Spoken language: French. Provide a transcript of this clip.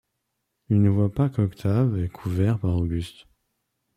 Il ne voit pas qu'Octave est couvert par Auguste ;